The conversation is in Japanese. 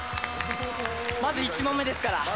まず１問目ですから。